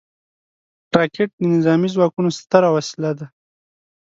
راکټ د نظامي ځواکونو ستره وسله ده